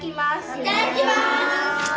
いただきます。